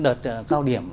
đợt cao điểm